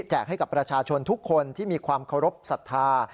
ให้กับประชาชนทุกคนที่มีความเคารพสัทธา